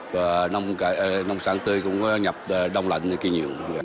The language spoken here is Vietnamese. và nông sản tươi cũng có nhập đông lạnh như kia nhiều